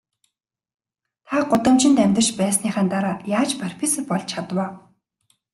Та гудамжинд амьдарч байсныхаа дараа яаж профессор болж чадав аа?